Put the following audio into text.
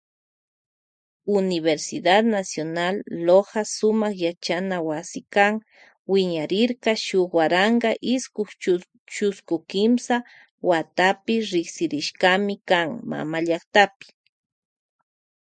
Universidad nacional Loja sumak yachaywasikan wiñarirka shuk waranka iskun chusku kimsa watapi riksirishkami kan mama llaktapi.